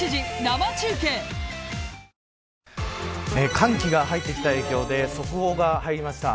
寒気が入ってきた影響で速報が入りました。